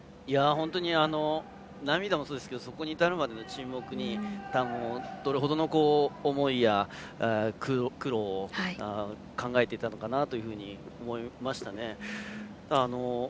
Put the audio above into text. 本当に涙もそうですけどそこに至るまでの沈黙にどれほどの思いや苦労を考えていたのかなというふうに思いましたね。